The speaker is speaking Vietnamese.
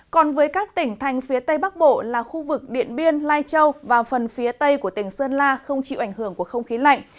còn với các tỉnh thành phía tây bắc bộ là khu vực điện biên lai châu và phần phía tây của tỉnh sơn la không chịu ảnh hưởng của không khí lạnh